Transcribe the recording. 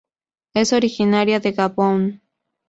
Es originaria de Gabón.